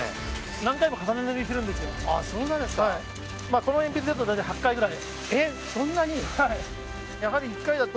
この鉛筆だと大体８回くらい。